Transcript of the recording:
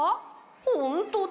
ほんとだ！